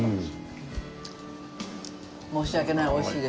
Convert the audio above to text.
申し訳ない。